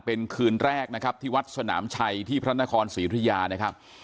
เป็นคืนแรกนะครับที่วัดสนามชัยที่พระนครศรีธุยานะครับ